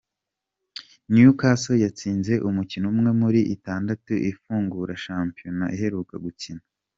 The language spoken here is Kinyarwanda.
Newcastle yatsinze umukino umwe muri itandatu ifungura shampiyona iheruka gukina.